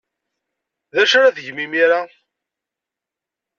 D acu ara tgem imir-a?